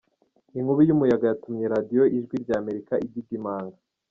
Inkubi y’umuyaga yatumye Radio Ijwi rya Amerika ididimanga